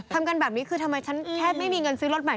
ทำกันแบบนี้คือทำไมฉันแค่ไม่มีเงินซื้อรถใหม่